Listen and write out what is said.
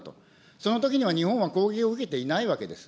そのときは日本は攻撃を受けていないわけです。